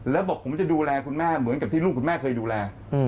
แล้วบอกผมจะดูแลคุณแม่เหมือนกับที่ลูกคุณแม่เคยดูแล